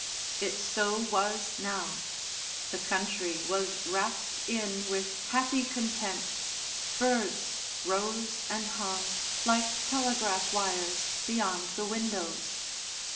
It so was now; the country was wrapped in with happy content, birds rose and hung, like telegraph wires, beyond the windows.